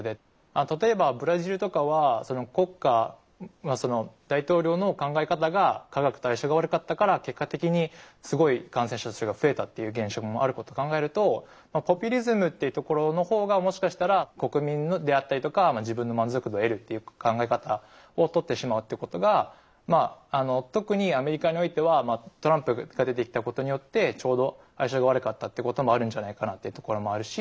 例えばブラジルとかはその国家大統領の考え方が科学と相性が悪かったから結果的にすごい感染者数が増えたっていう現象もあることを考えるとポピュリズムっていうところの方がもしかしたら国民であったりとか自分の満足度を得るっていう考え方をとってしまうっていうことがまあ特にアメリカにおいてはトランプが出てきたことによってちょうど相性が悪かったっていうこともあるんじゃないかなっていうところもあるし。